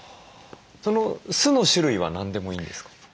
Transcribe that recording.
酢の種類は何でもいいんですか？